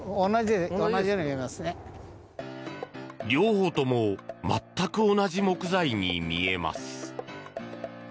両方とも全く同じ木材に見えます。